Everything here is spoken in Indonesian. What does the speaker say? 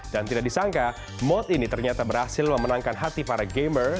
dan tidak disangka mode ini ternyata berhasil memenangkan hati para gamer